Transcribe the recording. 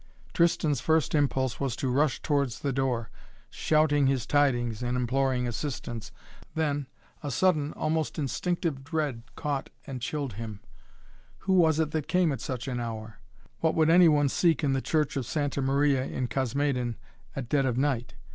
Tristan's first impulse was to rush towards the door, shouting his tidings and imploring assistance. Then, a sudden, almost instinctive dread caught and chilled him. Who was it that came at such an hour? What would any one seek in the church of Santa Maria in Cosmedin at dead of night?